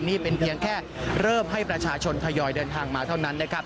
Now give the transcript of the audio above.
นี่เป็นเพียงแค่เริ่มให้ประชาชนทยอยเดินทางมาเท่านั้นนะครับ